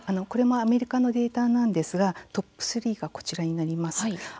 これもアメリカのデータなんですがトップ３がこちらになります。